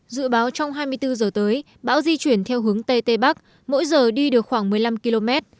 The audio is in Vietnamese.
dự báo trong hai mươi bốn giờ tới bão di chuyển theo hướng tây tây bắc mỗi giờ đi được khoảng một mươi năm km